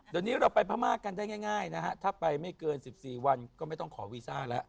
เดี๋ยวนี้เราไปพม่ากันได้ง่ายนะฮะถ้าไปไม่เกิน๑๔วันก็ไม่ต้องขอวีซ่าแล้ว